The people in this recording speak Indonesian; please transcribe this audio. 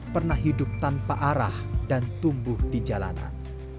pernah hidup tanpa arah dan tumbuh di jalanan